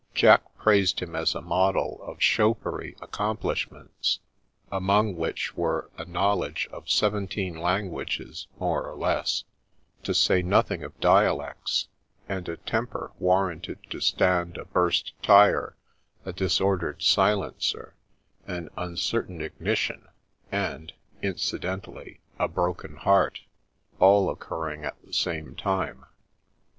Jack praised him as a model of. chauffeury accomplishments, among which were a knowledge of seventeen languages more or less, to say nothing of dialects, and a temper warranted to stand a burst tyre, a disordered silencer, an un certain ignition, and (incidentally) a broken heart — all occurring at the same time.